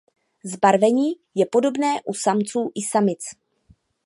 Zbarvení je podobné u samců i samic.